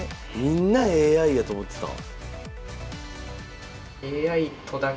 みんなＡＩやと思ってた。